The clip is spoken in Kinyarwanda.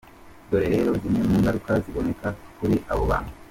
Dore rero zimwe mu ngaruka ziboneka kuri aba bantu.